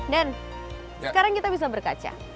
den sekarang kita bisa berkaca